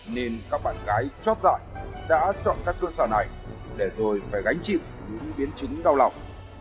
nên các bạn gái chót dại đã chọn các cơ sở này để rồi phải gánh chịu những biến chứng đau lòng